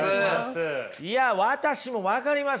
いや私も分かります。